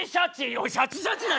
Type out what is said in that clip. おいシャチ・シャチだ！